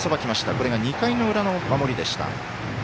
これが２回の裏の守りでした。